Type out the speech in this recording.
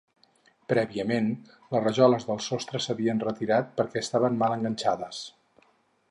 Prèviament les rajoles del sostre s'havien retirat perquè estaven mal enganxades.